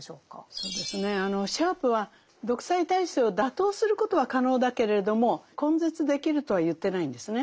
そうですねシャープは独裁体制を打倒することは可能だけれども根絶できるとは言ってないんですね。